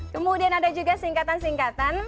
kemudian ada juga singkatan singkatan